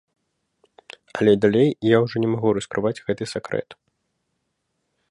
Але далей я ўжо не магу раскрываць гэты сакрэт.